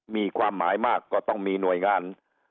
มีความหมายมากก็ต้องมีหน่วยงาน